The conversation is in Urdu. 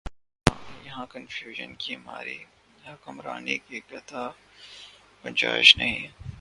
یہاں کنفیوژن کی ماری حکمرانی کی قطعا گنجائش نہیں۔